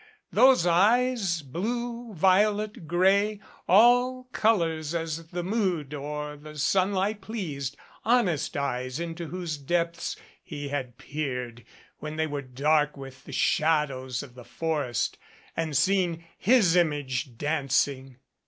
Those eyes blue violet gray all colors as the mood or the sunlight pleased honest eyes into whose depths he had peered when they were dark with the shad ows of the forest and seen his image dancing.